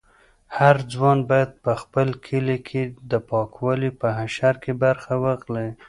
هر ځوان باید په خپل کلي کې د پاکوالي په حشر کې برخه واخلي.